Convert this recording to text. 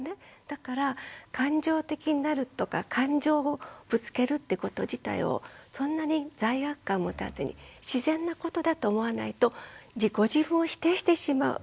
だから感情的になるとか感情をぶつけるってこと自体をそんなに罪悪感を持たずに自然なことだと思わないとご自分を否定してしまう。